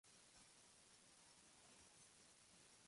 Conduce un programa por Radio Continental llamado "Antes que mañana".